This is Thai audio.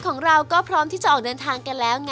ของเราก็พร้อมที่จะออกเดินทางกันแล้วไง